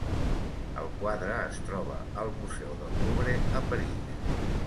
El quadre es troba al museu del Louvre, a París.